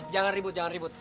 jangan ribut jangan ribut